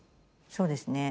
そうですね。